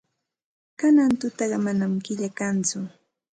Kanan tutaqa manam killa kanchu.